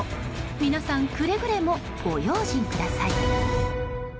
皆さん、くれぐれもご用心ください。